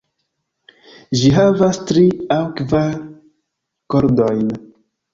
Ĝi havas tri aŭ kvar kordojn.